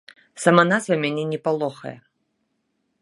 Сама назва мяне не палохае.